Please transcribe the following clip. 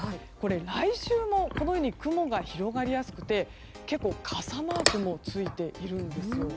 来週もこのように雲が広がりやすくて結構傘マークもついているんです。